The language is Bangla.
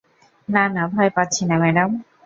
না, না, ভয় পাচ্ছি না, ম্যাডাম।